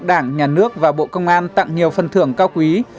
đảng nhà nước và bộ công an tặng nhiều phần thưởng cao quý